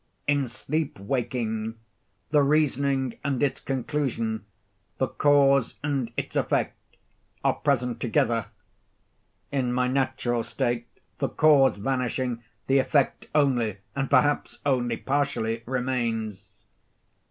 In sleep waking, the reasoning and its conclusion—the cause and its effect—are present together. In my natural state, the cause vanishing, the effect only, and perhaps only partially, remains.